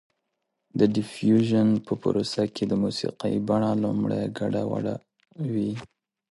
د ډیفیوژن په پروسه کې د موسیقۍ بڼه لومړی ګډه وډه وي